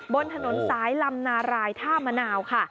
บนถนนสายลำนารายท่ามะนาวค่ะ